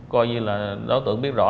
coi như là đối tượng biết rõ